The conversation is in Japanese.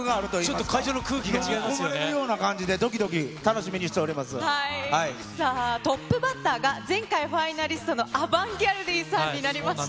ちょっと会場の空気が違いまどきどき、楽しみにしておりさあ、トップバッターが、前回ファイナリストのアバンギャルディさんになりました。